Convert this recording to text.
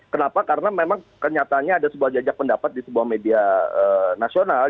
kenapa karena memang kenyataannya ada sebuah jajak pendapat di sebuah media nasional